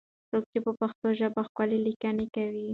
څوک په پښتو ژبه ښکلې لیکنې کوي؟